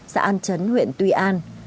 sẽ an chấn huyện tuy an